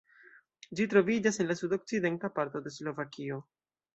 Ĝi troviĝas en la sudokcidenta parto de Slovakio.